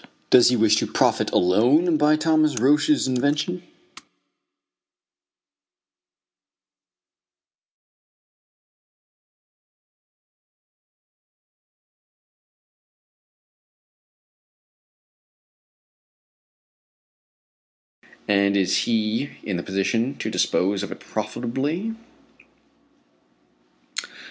Does he wish to profit alone by Thomas Roch's invention, and is he in the position to dispose of it profitably?